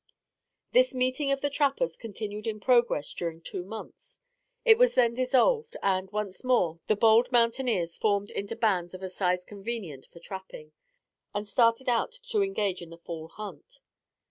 This meeting of the trappers continued in progress during two months. It was then dissolved; and, once more the bold mountaineers formed into bands of a size convenient for trapping, and started out to engage in the fall hunt.